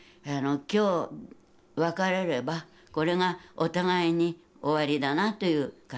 今日別れればこれがお互いに終わりだなという感覚がありましたね。